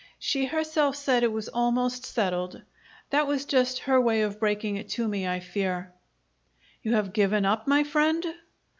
She herself said it was almost settled. That was just her way of breaking it to me, I fear." "You have given up, my friend?"